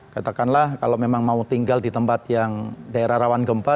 katakanlah kalau memang mau tinggal di tempat yang daerah rawan gempa